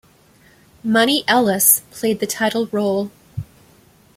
Monie Ellis played the title role.